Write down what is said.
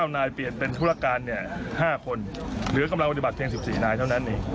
นายเปลี่ยนเป็นธุรการ๕คนเหลือกำลังปฏิบัติเพียง๑๔นายเท่านั้นเอง